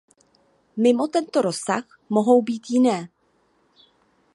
Mimo tento rozsah mohou být jiné.